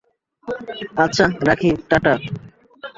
আচ্ছা, রাখি, টা টা।